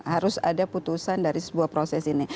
harus ada putusan dari sebuah proses ini